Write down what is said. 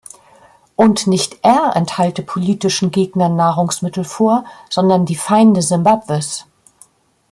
Und nicht er enthalte politischen Gegnern Nahrungsmittel vor, sondern die Feinde Simbabwes.